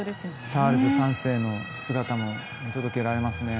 チャールズ３世の姿も見届けられますね。